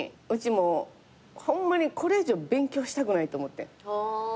もうホンマにこれ以上勉強したくないって思ってん。